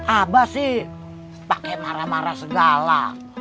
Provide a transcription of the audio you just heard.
abah sih pakai marah marah segala